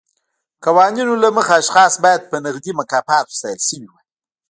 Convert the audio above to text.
قوانینو له مخې اشخاص باید په نغدي مکافاتو ستایل شوي وای.